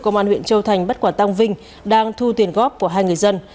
công an huyện châu thành bắt quả tăng vinh đang thu tiền góp của hai người dân